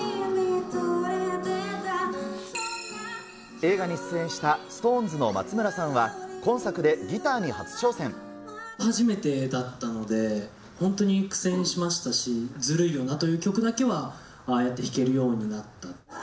映画に出演したＳｉｘＴＯＮＥＳの松村さんは、初めてだったので本当に苦戦しましたし、ずるいよなという曲だけはああやって弾けるようになった。